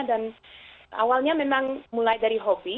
dan awalnya memang mulai dari hobi